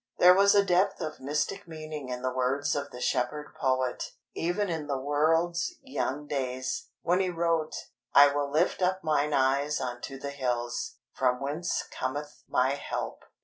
There was a depth of mystic meaning in the words of the shepherd poet, even in the world's young days, when he wrote: "I will lift up mine eyes unto the hills, from whence cometh my help."